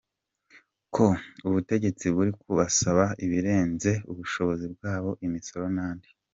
ko ubutegetsi buri kubasaba ibirenze ubushobozi bwabo, imisoro n’andi